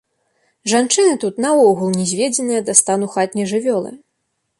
Жанчыны тут наогул нізведзеныя да стану хатняй жывёлы.